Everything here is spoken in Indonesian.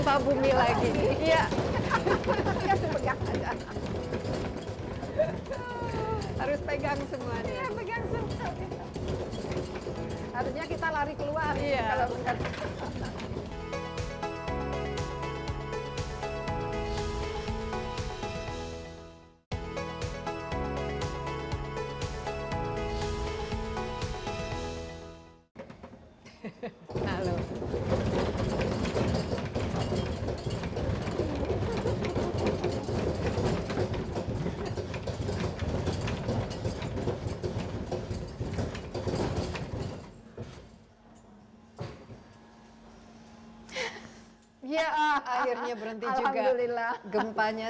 akhirnya berhenti juga gempanya